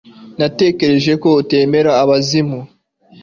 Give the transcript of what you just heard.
Natekereje ko utemera abazimu